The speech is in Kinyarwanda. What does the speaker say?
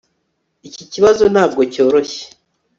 Iki kibazo ntabwo cyoroshye